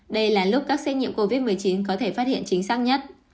đây là lúc các xét nghiệm covid một mươi chín có thể phát hiện chính xác nhất